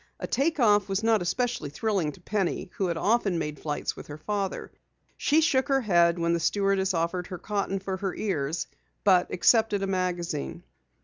A take off was not especially thrilling to Penny who often had made flights with her father. She shook her head when the stewardess offered her cotton for her ears, but accepted a magazine.